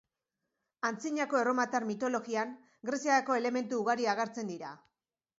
Antzinako erromatar mitologian Greziako elementu ugari agertzen dira.